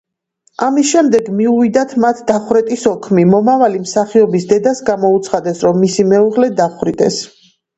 ამის შემდეგ მიუვიდათ მათ დახვრეტის ოქმი, მომავალი მსახიობის დედას გამოუცხადეს, რომ მისი მეუღლე დახვრიტეს.